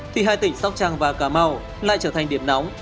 thì hai tỉnh sóc trăng và cà mau lại trở thành điểm nóng